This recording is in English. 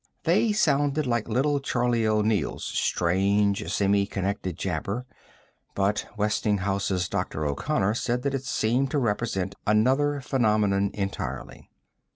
They sounded like little Charlie O'Neill's strange semi connected jabber, but Westinghouse's Dr. O'Connor said that it seemed to represent another phenomenon entirely.